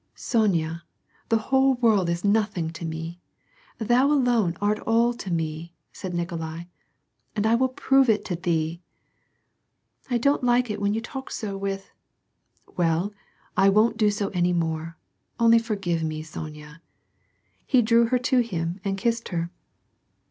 '' Sonya ! The whole world is nothing to me ! Thou alone art all to me," said Nikolai, " I will prove it to thee !"" I don't like it when you talk so with "—" Well, I won't do so any more, only forgive me, Sonya !" He drew her to him and kissed her.